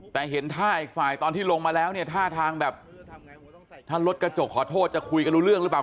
แต่เห็นท่าอีกฝ่ายตอนที่ลงมาแล้วเนี่ยท่าทางแบบถ้ารถกระจกขอโทษจะคุยกันรู้เรื่องหรือเปล่า